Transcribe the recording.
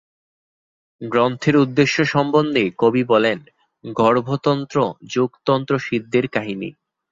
গ্রন্থের উদ্দেশ্য সন্বন্ধে কবি বলেন: ‘গর্ভতন্ত্র যোগতন্ত্র সিদ্ধের কাহিনী।